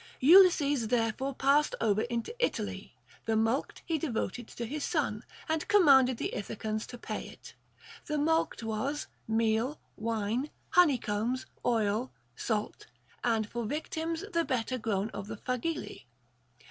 Ulysses therefore passed over into Italy ; the mulct he devoted to his son, and com manded the Ithacans to pay it. The mulct was meal, wine, honey combs, oil, salt, and for victims the better grown of the phagili.